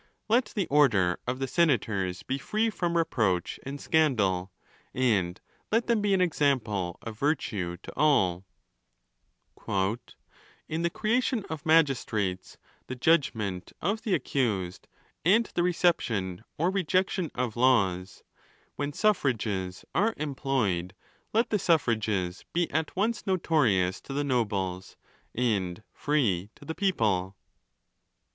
Let the order of the senators be free from re proach and scandal, and let them be an example of virtue to all, "In the creation of magistrates, the judgment of the ac cused, and the reception or rejection of laws, when suffrages are employed, let the suffrages be at once notorious to the nobles, and free to the people.